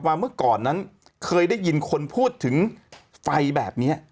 เมื่อก่อนนั้นเคยได้ยินคนพูดถึงไฟแบบนี้